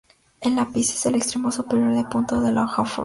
El ápice es el extremo superior o punta de la hoja o fruto.